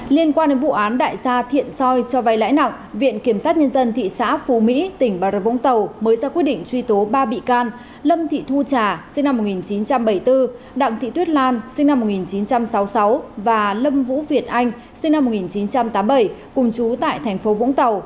liên quan đến vụ án đại gia thiện soi cho vay lãi nặng viện kiểm sát nhân dân thị xã phú mỹ tỉnh bà rập vũng tàu mới ra quyết định truy tố ba bị can lâm thị thu trà sinh năm một nghìn chín trăm bảy mươi bốn đặng thị tuyết lan sinh năm một nghìn chín trăm sáu mươi sáu và lâm vũ việt anh sinh năm một nghìn chín trăm tám mươi bảy cùng chú tại thành phố vũng tàu